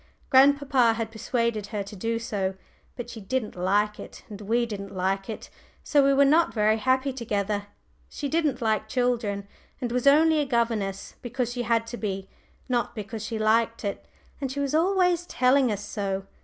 Grandpapa had persuaded her to do so, but she didn't like it, and we didn't like it, so we were not very happy together. She didn't like children, and was only a governess because she had to be, not because she liked it, and she was always telling us so.